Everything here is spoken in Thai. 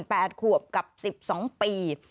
แปดขวบกับสิบสองปี